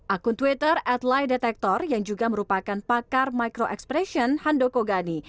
akun twitter adlai detektor yang juga merupakan pakar micro expression hando kogani